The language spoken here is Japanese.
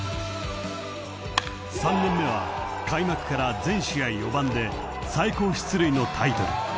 ［３年目は開幕から全試合四番で最高出塁のタイトル］